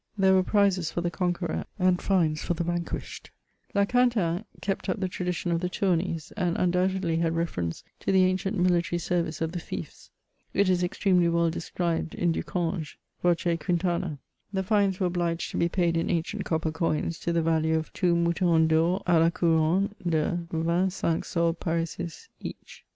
There were prizes for the con queror, and fines for the vanquished. La Quintaine '* kept up the tradition of the Tourneys ; and undoubtedly had reference to the anci^t mihtory service of the fiefs. It is extremely well described in Du Cange (voce Quintana). The fines were obliged to be paid in ancient copper coins, to the value of two moutons (Tor d la cour&nne de 25 sols parisis each.